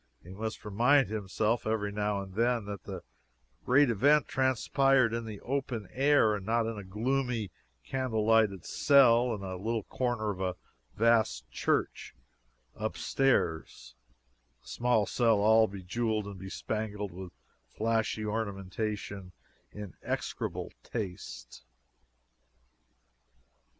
He must remind himself every now and then that the great event transpired in the open air, and not in a gloomy, candle lighted cell in a little corner of a vast church, up stairs a small cell all bejeweled and bespangled with flashy ornamentation, in execrable taste.